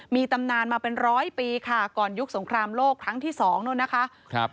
มีตำนานมาเป็นร้อยปีค่ะก่อนยุคสงครามโลกครั้งที่สองนู่นนะคะ